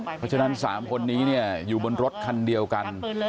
เพราะฉะนั้น๓คนนี้อยู่บนรถคันเดียวกัน